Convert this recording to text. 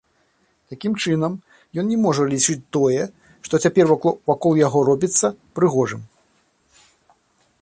Такім чынам, ён не можа лічыць тое, што цяпер вакол яго робіцца, прыгожым.